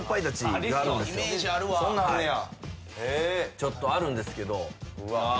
ちょっとあるんですけど。